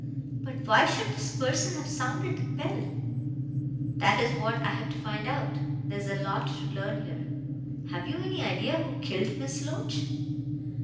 "But why should this person have sounded the bell?" "That is what I have to find out. There's a lot to learn here." "Have you any idea who killed Miss Loach?"